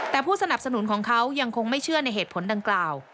แต่ผู้สนับสนุนของเขายังคงไม่เชื่อในเหตุผลดังกล่าว